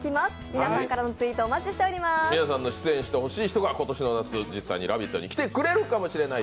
皆さんが出演してほしい人が今年の夏、実際に「ラヴィット！」に来てくれるかもしれない。